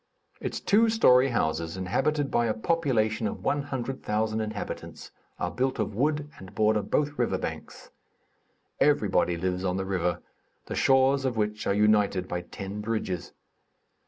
Its two story houses, inhabited by a population of 100,000 inhabitants, are built of wood and border both river banks. Everybody lives on the river, the shores of which are united by ten bridges.